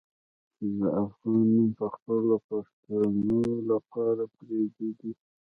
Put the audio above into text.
د افغان نوم پخپله د پښتنو لپاره پردی دی.